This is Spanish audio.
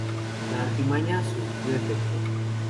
La artimaña surtió efecto.